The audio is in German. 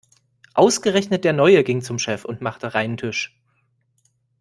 Ausgerechnet der Neue ging zum Chef und machte reinen Tisch.